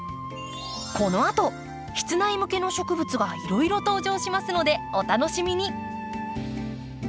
このあと室内向けの植物がいろいろ登場しますのでお楽しみに。